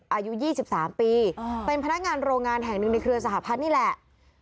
อายุ๒๓ปีเป็นพนักงานโรงงานแห่งหนึ่งในเครือสหพัฒน์นี่แหละ